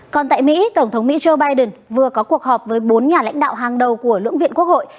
còn tại mỹ tổng thống mỹ joe biden vừa có cuộc họp với bốn nhà lãnh đạo hàng đầu của lưỡng viện quốc hội